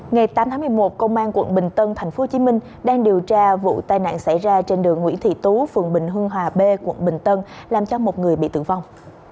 ngày tám tháng một mươi một công an quận bình tân tp hcm đang điều tra vụ tai nạn xảy ra trên đường nguyễn thị tú phường bình hưng hòa b quận bình tân làm cho một người bị tử vong